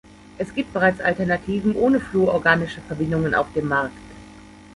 Es gibt bereits Alternativen ohne fluororganische Verbindungen auf dem Markt.